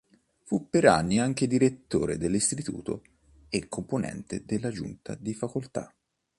Fu per anni anche direttore dell'Istituto e componente della giunta di Facoltà.